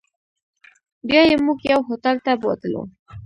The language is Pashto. بیا یې موږ یو هوټل ته بوتلو.